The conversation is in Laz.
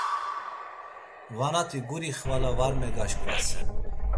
Vanati guri xvala var megaşǩvasen.